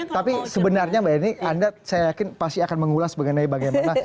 tapi sebenarnya mbak eni anda saya yakin pasti akan mengulas mengenai bagaimana